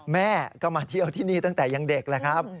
แม่ก็มาเที่ยวที่นี่ตั้งแต่ยังเด็กแล้วครับ